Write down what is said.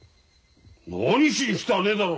「何しに来た」はねえだろ。